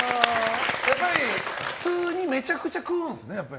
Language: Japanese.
やっぱり、普通にめちゃくちゃ食うんですね。